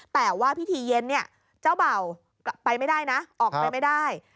แต่ว่าพิธีเย็นเนี่ยเจ้าเบ่าไปไม่ได้นะออกไปไม่ได้